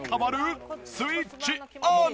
スイッチオン！